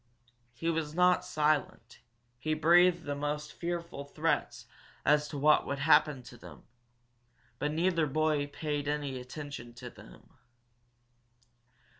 He was not silent; he breathed the most fearful threats as to what would happen to them. But neither boy paid any attention to him.